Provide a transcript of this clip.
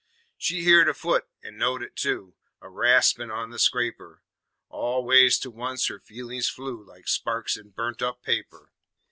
She heered a foot, an' knowed it tu, A raspin' on the scraper All ways to once her feelin's flew Like sparks in burnt up paper.